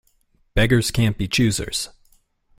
Beggars can't be choosers.